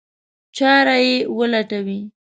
چاره یې ولټوي.